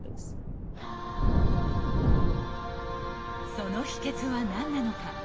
その秘けつは何なのか。